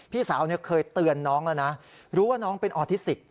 พี่สาวเคยเตือนน้องแล้วนะรู้ว่าน้องเป็นออทิสติก